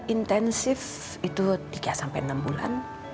intensif itu tiga sampai enam bulan